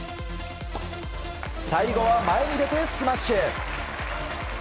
最後は、前に出てスマッシュ。